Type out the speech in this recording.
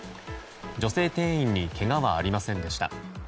女性店員にけがはありませんでした。